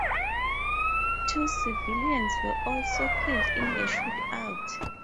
Two civilians were also killed in the shootout.